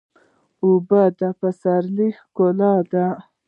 اوبه د پسرلي ښکلا ده.